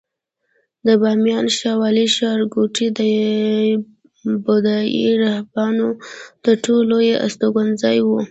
د بامیانو شاولې ښارګوټی د بودایي راهبانو تر ټولو لوی استوګنځای و